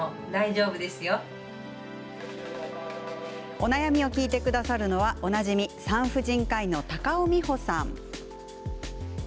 お悩みを聞いてくださるのはおなじみ、産婦人科医の高尾美穂さん。